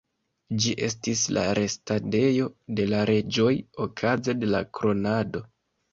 Ĝi estis la restadejo de la reĝoj okaze de la kronado.